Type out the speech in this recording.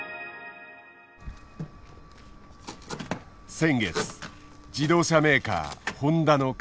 先月自動車メーカーホンダの開発